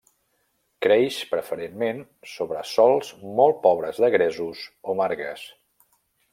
Creix preferentment, sobre sòls molt pobres de gresos o margues.